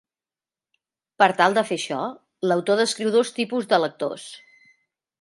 Per tal de fer això, l'autor descriu dos tipus de lectors.